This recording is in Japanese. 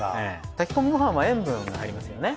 炊き込みごはんは塩分が入りますよね。